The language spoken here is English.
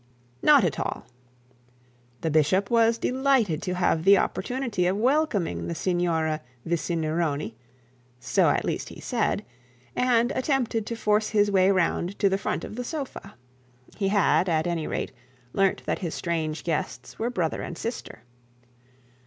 'Not at all!' the bishop was delighted to have the opportunity of welcoming the Signora Vicinironi so at least he said and attempted to force his way round to the front of the sofa. He had, at any rate, learnt that his strange guests were brother and sister.